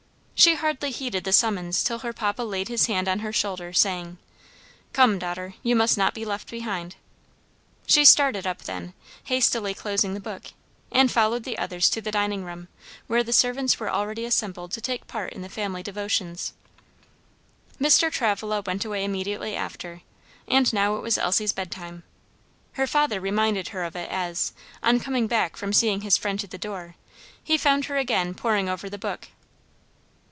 She hardly heeded the summons till her papa laid his hand on her shoulder, saying, "Come, daughter, you must not be left behind." She started up then, hastily closing the book, and followed the others to the dining room, where the servants were already assembled to take part in the family devotions. Mr. Travilla went away immediately after and now it was Elsie's bed time. Her father reminded her of it as, on coming back from seeing his friend to the door, he found her again poring over the book.